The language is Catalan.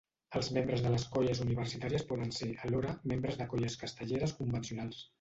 Els membres de les colles universitàries poden ser, alhora, membres de colles castelleres convencionals.